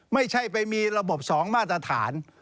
ไม่ใช่ไปมีระบบ๒มาตรฐาน